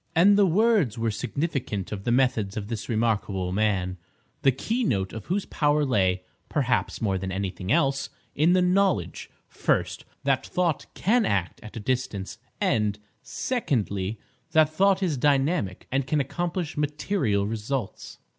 And the words were significant of the methods of this remarkable man, the keynote of whose power lay, perhaps, more than anything else, in the knowledge, first, that thought can act at a distance, and, secondly, that thought is dynamic and can accomplish material results.